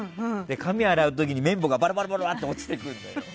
髪洗う時に綿棒がバラバラって落ちてくるのよ。